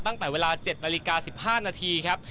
ตั้งแต่เวลา๗นาฬิกา๑๕นาทีครับ